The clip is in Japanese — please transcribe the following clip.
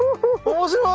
面白い！